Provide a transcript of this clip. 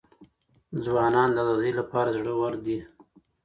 ځوانان د ازادۍ لپاره زړه ور دي.